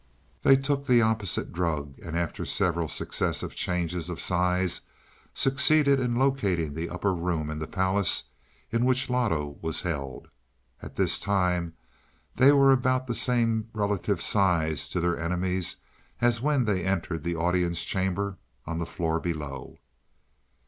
They took the opposite drug, and after several successive changes of size, succeeded in locating the upper room in the palace in which Loto was held. At this time they were about the same relative size to their enemies as when they entered the audience chamber on the floor below.